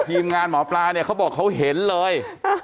ทีมงานหมอปลาเนี่ยเขาบอกเขาเห็นเลย